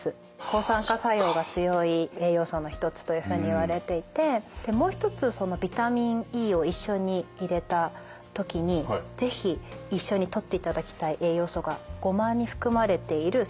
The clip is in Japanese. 抗酸化作用が強い栄養素の一つというふうにいわれていてでもう一つそのビタミンＥを一緒に入れた時に是非一緒にとっていただきたい栄養素がゴマに含まれているセサミンなんですね。